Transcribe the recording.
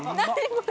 これ。